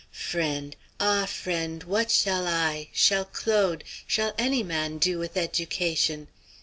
Friend, ah! friend, what shall I, shall Claude, shall any man do with education!